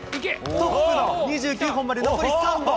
トップの２９本まで残り３本。